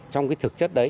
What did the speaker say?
trong cái thực chất